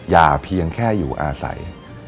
เพียงแค่อยู่อาศัย